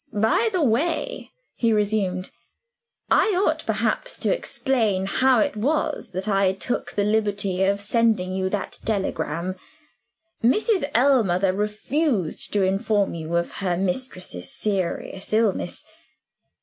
"By the way," he resumed, "I ought perhaps to explain how it was that I took the liberty of sending you that telegram. Mrs. Ellmother refused to inform you of her mistress's serious illness.